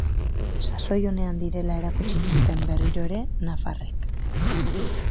Sasoi onean direla erakutsi zuten berriro ere nafarrek.